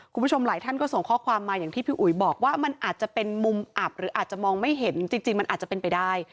คุณผู้ชมหลายท่านก็ส่งข้อความมาอย่างที่พี่อุ๋ยบอกว่ามันอาจจะเป็นมุมอับหรืออาจจะมองไม่เห็นจริงมันอาจจะเป็นไปได้